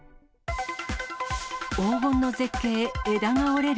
黄金の絶景、枝が折れる。